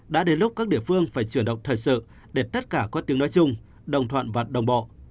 đã đến lúc các địa phương phải chuyển động thật sự để tất cả có tiếng nói chung đồng thoạn và đồng bộ